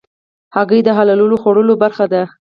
هګۍ د حلالو خوړو برخه ده.